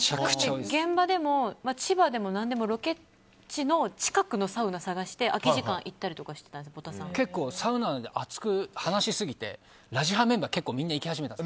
現場でも、千葉でも何でもロケ地の近くのサウナを探して空き時間を使って結構、サウナを熱く話しすぎてラジハメンバーが結構みんな行き始めました。